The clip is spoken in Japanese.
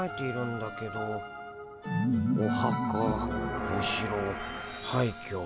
おはかおしろはいきょ